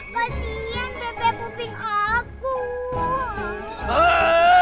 kasian bebek bubing aku